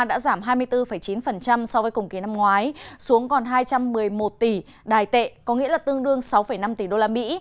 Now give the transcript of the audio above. đã giảm hai mươi bốn chín so với cùng kỳ năm ngoái xuống còn hai trăm một mươi một tỷ đài tệ có nghĩa là tương đương sáu năm tỷ đô la mỹ